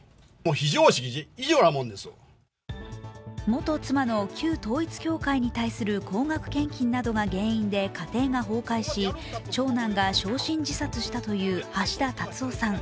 元妻の旧統一教会に対する高額献金などが原因で家庭が崩壊し、長男が焼身自殺したという橋田達夫さん。